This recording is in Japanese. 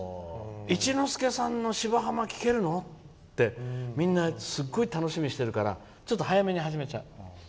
一之輔さんの「芝浜」聴けるの？ってみんなすごい楽しみにしてるからちょっと早めに始めちゃう。